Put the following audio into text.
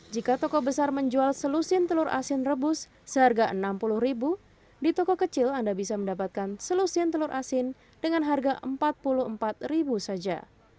jika toko besar menjual selusin telur asin rebus seharga rp enam puluh di toko kecil anda bisa mendapatkan selusin telur asin dengan harga rp empat puluh empat saja